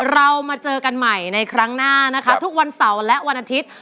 เรามาเจอกันใหม่ในครั้งหน้านะคะทุกวันเสาร์และวันอาทิตย์